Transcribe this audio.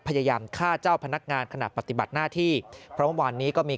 พยายามฆ่าเจ้าพนักงานขณะปฏิบัติหน้าที่พร้อมวันนี้ก็มี